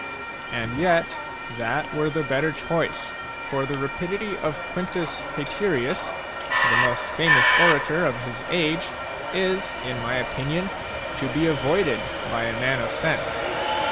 And yet that were the better choice, for the rapidity of Quintus Haterius, the most famous orator of his age, is, in my opinion, to be avoided by a man of sense.